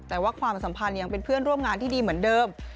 แต่ว่าความสัมพันธ์ยังเป็นเพื่อนร่วมงานที่ดีเหมือนเดิม